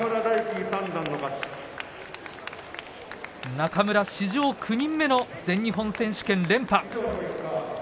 中村、史上９人目の全日本選手権、連覇。